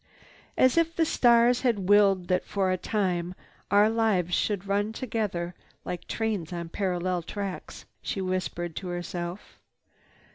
"As if the stars had willed that for a time our lives should run together, like trains on parallel tracks," she whispered to herself.